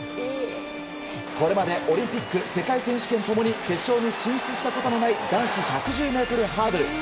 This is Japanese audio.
これまでオリンピック世界選手権ともに決勝に進出したことのない男子１１０ｍハードル。